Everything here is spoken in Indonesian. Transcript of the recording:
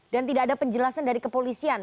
dan tidak ada penjelasan dari kepolisian